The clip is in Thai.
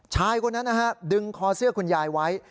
ชายคนนั้นนะฮะดึงคอเสื้อคุณยายไว้